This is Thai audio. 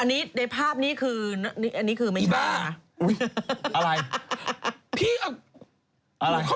อันนี้ในภาพนี้คืออันนี้คือไม่ใช่นะค่ะ